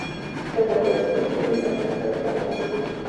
د بدن بوی د نظافت سره تړاو لري.